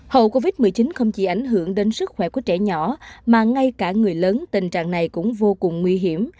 hậu covid một mươi chín không chỉ ảnh hưởng đến sức khỏe của trẻ nhỏ mà ngay cả người lớn tình trạng này cũng vô cùng nguy hiểm